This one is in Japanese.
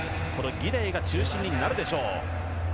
ギデイが中心になるでしょう。